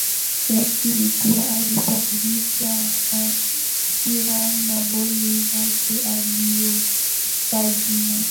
Lakini pia alisababisha hasira na goli lake alilolipa jina